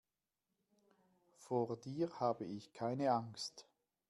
Vor dir habe ich keine Angst.